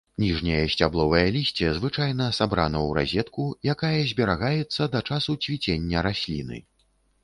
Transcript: Ніжняе сцябловае лісце звычайна сабрана ў разетку, якая зберагаецца да часу цвіцення расліны.